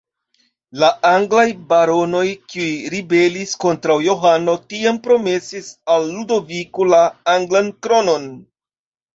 La anglaj baronoj, kiuj ribelis kontraŭ Johano, tiam promesis al Ludoviko la anglan kronon.